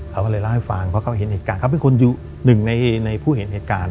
เขาก็เลยเล่าให้ฟังเพราะเขาเห็นเหตุการณ์เขาเป็นคนอยู่หนึ่งในผู้เห็นเหตุการณ์